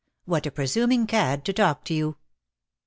"What a presuming cad to talk to you."